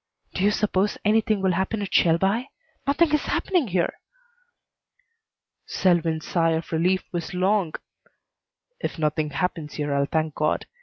"Do you suppose anything will happen at Shelby? Nothing is happening here." Selwyn's sigh of relief was long. "If nothing happens here I'll thank God.